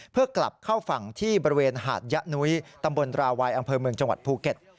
เพื่อกลับเข้าฝั่งที่บริเวณหาดยะนุ้ยตำบลราวัยอำเภอเมืองจังหวัดภูเก็ต